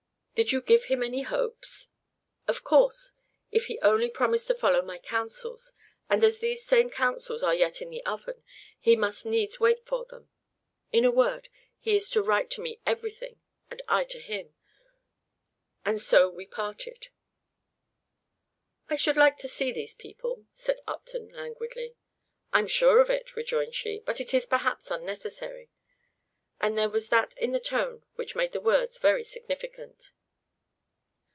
"Did you give him any hopes?" "Of course, if he only promised to follow my counsels; and as these same counsels are yet in the oven, he must needs wait for them. In a word, he is to write to me everything, and I to him; and so we parted." "I should like to see these people," said Upton, languidly. "I'm sure of it," rejoined she; "but it is perhaps unnecessary;" and there was that in the tone which made the words very significant.